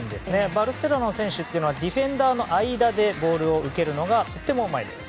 バルセロナの選手はディフェンダーの間でボールを受けるのがとてもうまいです。